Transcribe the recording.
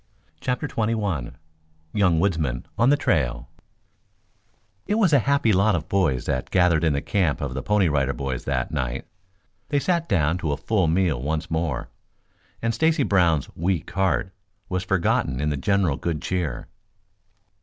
CHAPTER XXI YOUNG WOODSMEN ON THE TRAIL It was a happy lot of boys that gathered in the camp of the Pony Rider Boys that night. They sat down to a full meal once more, and Stacy Brown's "weak heart" was forgotten in the general good cheer.